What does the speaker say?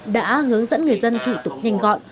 đã hướng dẫn người dân thủ tục nhanh gọn